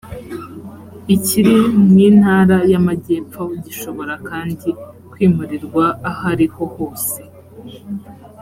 ikiri mu intara y amajyepfo gishobora kandi kwimurirwa aho ariho hose